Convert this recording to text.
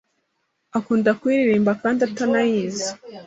akunda kuyirirmba kandi atanayizi.